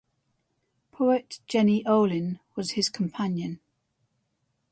Poet Jeni Olin was his companion.